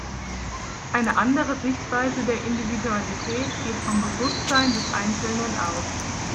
Eine andere Sichtweise der Individualität geht vom Bewusstsein des Einzelnen aus.